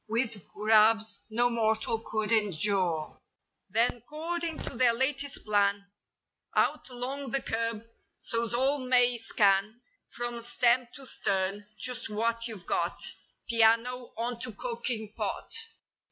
With grabs no mortal could endure. Then, 'cording to their latest plan. Out 'long the curb, so's all may scan From stem to stern just what you've got— Piano, on to cooking pot.